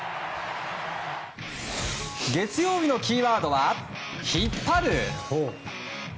月曜日のキーワードは引っ張る。